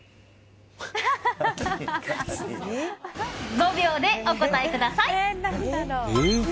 ５秒でお答えください。